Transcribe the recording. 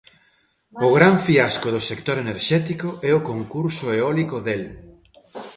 O gran fiasco do sector enerxético é o concurso eólico del.